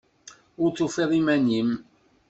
Ur tufiḍ iman-nnem.